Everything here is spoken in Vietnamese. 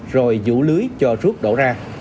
rồi vũ lưới cho rút đổ ra